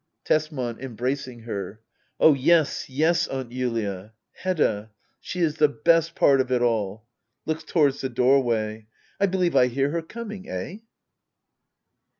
Tesman. [Embracing her.'] Oh yes, yes. Aunt Julia Hedda — she is the best part of it all ! [Looks towards the doorway.'] I believe I hear her coming —eh?